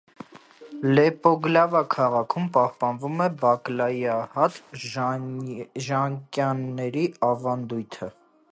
Լեպոգլավա քաղաքում պահպանվում է բակլայահատ ժանկյակների ավանդույթը։